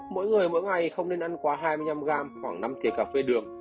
mỗi người mỗi ngày không nên ăn quá hai mươi năm g khoảng năm thịa cà phê đường